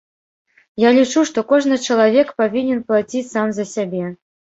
Я лічу, што кожны чалавек павінен плаціць сам за сябе.